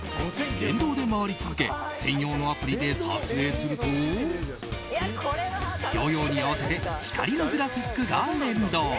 電動で回り続け専用のアプリで撮影するとヨーヨーに合わせて光のグラフィックが連動。